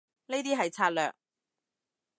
呢啲係策略